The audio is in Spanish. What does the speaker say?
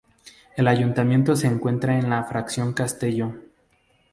El ayuntamiento se encuentra en la fracción Castello.